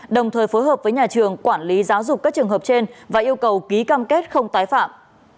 đồng thời phối hợp với nhà trường quản lý giáo dục các trường hợp trên và yêu cầu ký cam kết không tái phạm